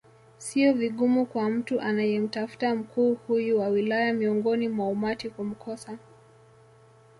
Sio vigumu kwa mtu anayemtafuta mkuu huyu wa wilaya miongoni mwa umati kumkosa